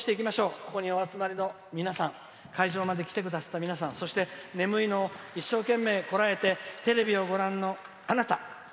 ここにお集まりの皆さん会場まで来てくださった皆さんそして、眠いのを一生懸命こらえてテレビをご覧のあなた。